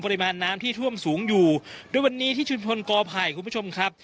ปริมาณน้ำที่ท่วมสูงอยู่ด้วยวันนี้ที่ชุมชนกอไผ่คุณผู้ชมครับ